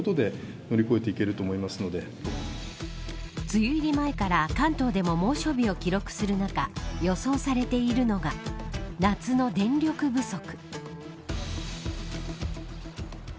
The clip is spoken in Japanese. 梅雨入り前から関東でも猛暑日を記録する中予想されているのが夏の電力不足。